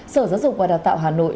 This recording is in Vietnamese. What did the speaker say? sở giáo dục và đào tạo hà nội